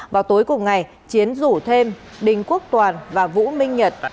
vào tối cùng ngày chiến rủ thêm đình quốc toàn và vũ minh nhật